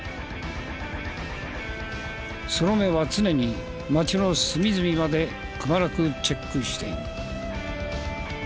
その目は常に街の隅々までくまなくチェックしている。